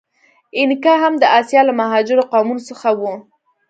اینکا هم د آسیا له مهاجرو قومونو څخه و.